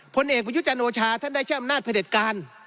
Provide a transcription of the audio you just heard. ผลเอกประยุจันโอชาท่านได้ใช้อำนาจพระเด็จการ